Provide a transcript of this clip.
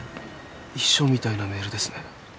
遺書みたいなメールですね。